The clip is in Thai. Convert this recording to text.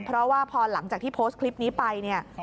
เพราะว่าพอหลังจากที่โพสต์คลิปนี้ไปเนี่ย